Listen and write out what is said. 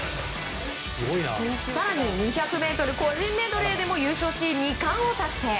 更に２００ｍ個人メドレーでも優勝し２冠を達成。